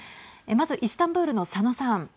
まずイスタンブールの佐野さん。